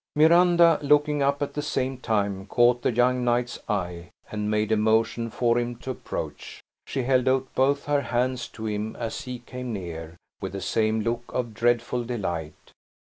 Miranda, looking up at the same time, caught the young knight's eye, and made a motion for him to approach. She held out both her hands to him as he came near, with the same look of dreadful delight.